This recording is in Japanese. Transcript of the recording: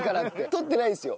取ってないんですよ